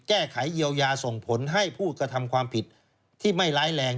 แก้ไขเยียวยาส่งผลให้ผู้กระทำความผิดที่ไม่ร้ายแรง